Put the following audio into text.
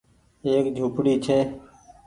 ايڪ جهونپڙي ڇي